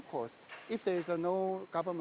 jika tidak ada subsidi pemerintah